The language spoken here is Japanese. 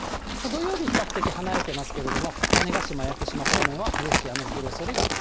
土曜日、比較的離れてますけども、種子島、屋久島方面は激しい雨の降るおそれがある。